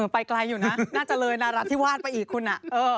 ไปไกลอยู่นะน่าจะเลยหน้าราดที่วาดไปอีกคุณอ่ะ